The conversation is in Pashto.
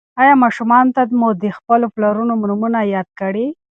ایا ماشومانو ته مو د خپلو پلرونو نومونه یاد کړي؟